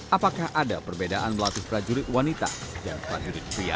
apakah ada perbedaan melatih prajurit wanita dan prajurit pria